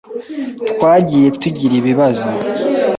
Twagiye tugira ibibazo.